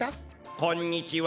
こんにちは。